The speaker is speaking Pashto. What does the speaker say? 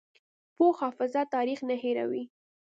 پوخ حافظه تاریخ نه هېروي